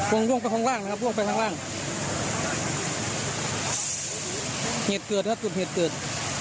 ว่างไปข้างล่างนะครับตลอดไปข้างล่างเหยียดเกิดหรือตัดเหตุเกิด